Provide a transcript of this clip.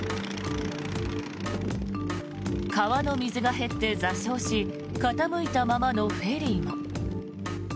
川の水が減って座礁し傾いたままのフェリーも。